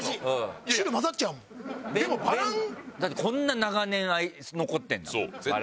だってこんな長年残ってんだもんバランが。